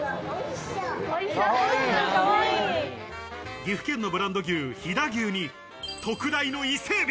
岐阜県のブランド牛、飛騨牛に特大の伊勢海老。